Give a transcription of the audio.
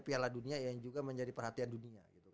piala dunia yang juga menjadi perhatian dunia